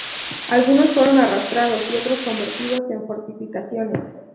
Algunos fueron arrasados y otros convertidos en fortificaciones.